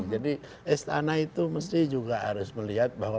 jadi istana itu mesti juga harus melihat bahwa